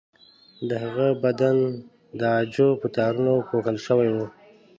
د هغه بدن د عاجو په تارونو پوښل شوی و.